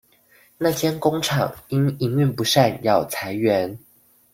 那間工廠因營運不善要裁員